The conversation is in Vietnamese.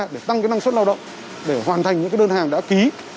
để tăng cái năng suất lao động để hoàn thành những cái đơn hàng đã ký